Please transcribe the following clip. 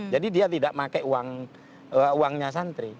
jadi dia tidak pakai uangnya santri